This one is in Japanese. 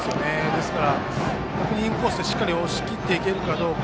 ですから、逆にインコースでしっかり押し切っていけるか。